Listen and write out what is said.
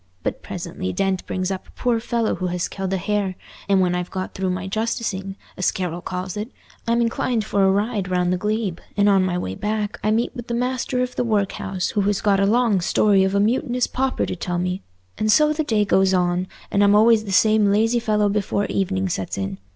But presently Dent brings up a poor fellow who has killed a hare, and when I've got through my 'justicing,' as Carroll calls it, I'm inclined for a ride round the glebe, and on my way back I meet with the master of the workhouse, who has got a long story of a mutinous pauper to tell me; and so the day goes on, and I'm always the same lazy fellow before evening sets in.